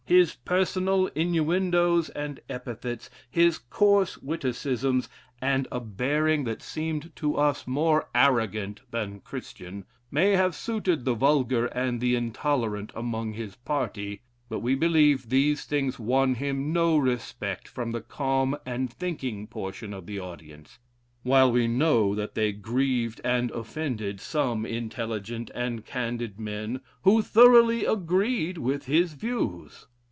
His personal inuendoes and epithets, his coarse witticisms, and a bearing that seemed to us more arrogant than Christian, may have suited the vulgar and the intolerant among his party, but we believe these things won him no respect from the calm and thinking portion of the audience, while we know that they grieved and offended some intelligent and candid men who thoroughly agreed with his views.